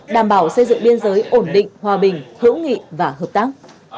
đảm bảo xây dựng biên giới ổn định hòa bình hữu nghị và hợp tác